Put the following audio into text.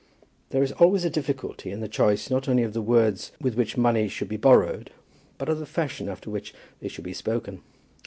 There is always a difficulty in the choice, not only of the words with which money should be borrowed, but of the fashion after which they should be spoken.